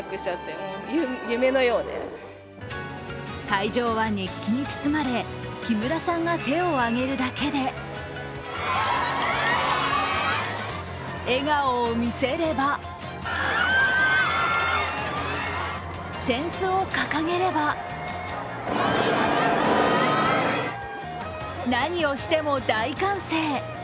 会場は熱気に包まれ木村さんが手を上げるだけで笑顔を見せれば扇子を掲げれば何をしても大歓声。